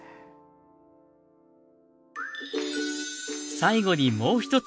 最後にもう一つ。